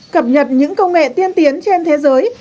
cập nhật những công nghệ tiên tiến trên thế giới